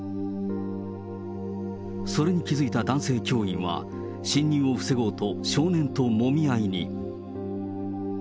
それに気付いた男性教員は、侵入を防ごうと、少年ともみ合いに。